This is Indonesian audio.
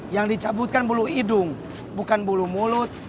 yang dicabutkan bulu hidung bukan bulu mulut